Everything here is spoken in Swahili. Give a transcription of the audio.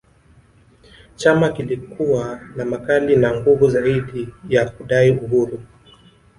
Chama kilikuwa na makali na nguvu zaidi ya kudai uhuru